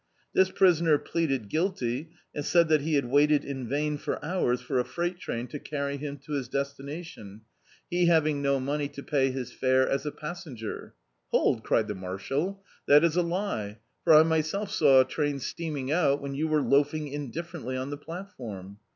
This prisoner pleaded guilty, and said that he had wmted in vain for hours for a frei^t train to carry him to his destination, he hav D,i.i,dt, Google The Autobiography of a Super Tramp ing DO money to pay his fare as a passenger. "Hold," cried the marshal, "that is a lie, for I my self saw a trun steaming out when you were loafing indifferently on the platform."